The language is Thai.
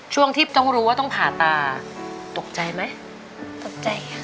ช่วงที่ต้องรู้ว่าต้องผ่าตาตกใจไหมตกใจค่ะ